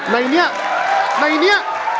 ในนี้